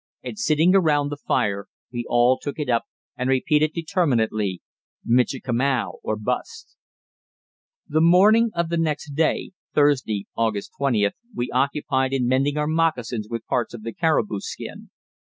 And sitting around the fire, we all took it up and repeated determinedly, "Michikamau or Bust!" The morning of the next day (Thursday, August 20) we occupied in mending our moccasins with parts of the caribou skin.